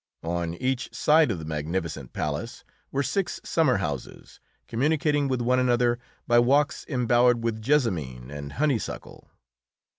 On each side of the magnificent palace were six summer houses communicating with one another by walks embowered with jessamine and honeysuckle.